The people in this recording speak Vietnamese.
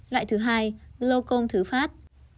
loại thứ hai glaucom thứ phát